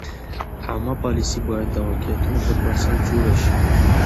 عامه پالیسۍ باید د واقعیتونو پر بنسټ جوړې شي.